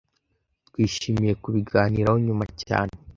Twishimiye kubiganiraho nyuma cyane